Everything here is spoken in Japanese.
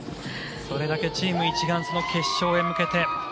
それだけチーム一丸、決勝へ向けて。